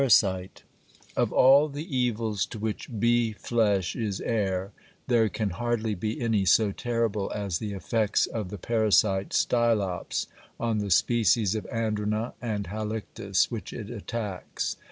] Of all the evils to which bee flesh is heir, there can hardly be any so terrible as the effects of the parasite Stylops on the species of Andrena and Halictus which it attacks.